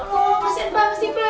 masih bangsi be